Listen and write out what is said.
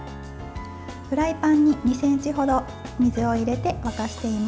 フライパンに２ｃｍ程水を入れて沸かしています。